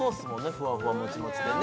ふわふわもちもちでね